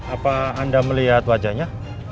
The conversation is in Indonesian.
apa anda melihat wajahnya